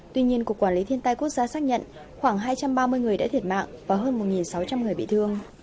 tuy nhiên cục quản lý thiên tai quốc gia xác nhận khoảng hai trăm ba mươi người đã thiệt mạng và hơn một sáu trăm linh người bị thương